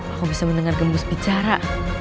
aku bisa mendengar gembus bicara